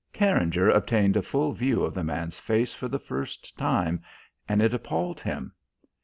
Carringer obtained a full view of the man's face for the first time, and it appalled him.